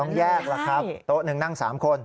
ต้องแยกล่ะครับโต๊ะหนึ่งนั่ง๓คน